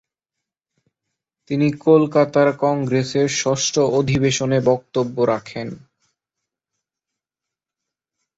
তিনি কলকাতার কংগ্রেসের ষষ্ঠ অধিবেশনে বক্তব্য রাখেন।